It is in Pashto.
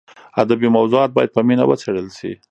ادبي موضوعات باید په مینه وڅېړل شي.